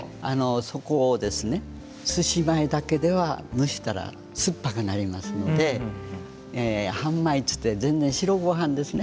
そこをすし米だけでは蒸したら酸っぱくなりますので半米っつって全然白ごはんですね